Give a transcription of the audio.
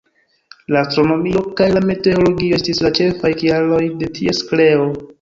La astronomio kaj la meteologio estis la ĉefaj kialoj de ties kreo.